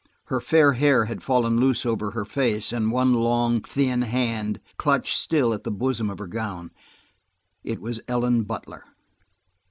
Her fair hair had fallen loose over her face, and one long, thin hand clutched still at the bosom of her gown. It was Ellen Butler!